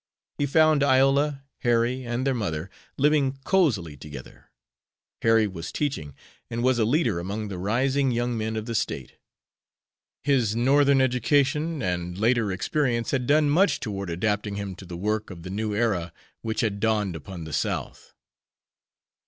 He found Iola, Harry, and their mother living cosily together. Harry was teaching and was a leader among the rising young men of the State. His Northern education and later experience had done much toward adapting him to the work of the new era which had dawned upon the South.